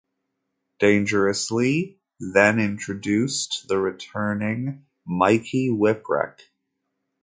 Dangerously then introduced the returning Mikey Whipwreck.